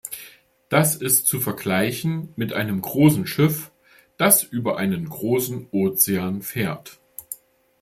Das ist zu vergleichen mit einem großen Schiff, das über einen großen Ozean fährt.